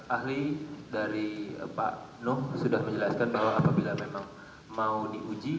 ahli dari pak nuh sudah menjelaskan bahwa apabila memang mau diuji